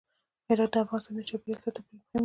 هرات د افغانستان د چاپیریال ساتنې لپاره مهم دی.